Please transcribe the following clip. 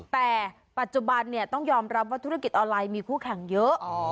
แต่ปัจจุบันต้องยอมรับว่าธุรกิจออนไลน์มีคู่แข่งเยอะ